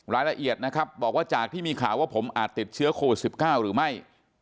รายละเอียดนะครับบอกว่าจากที่มีข่าวว่าผมอาจติดเชื้อโควิด๑๙หรือไม่